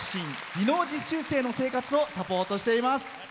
技能実習生の生活をサポートしています。